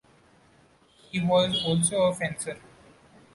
He was also a fencer.